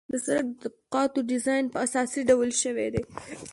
د سرک د طبقاتو ډیزاین په اساسي ډول شوی دی